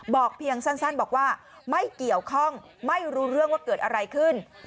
เพียงสั้นบอกว่าไม่เกี่ยวข้องไม่รู้เรื่องว่าเกิดอะไรขึ้น